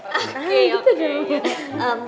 oke gitu dong